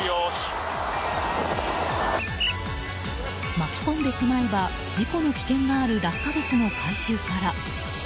巻き込んでしまえば事故の危険がある落下物の回収から。